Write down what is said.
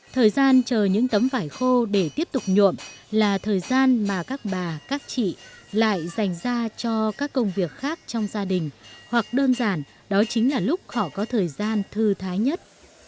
thời gian chờ những tấm vải khô để tiếp tục nhuộm là thời gian mà các bà các chị lại dành ra cho các công việc khác trong gia đình hoặc đơn giản đó chính là lúc họ có thời gian thư thái nhất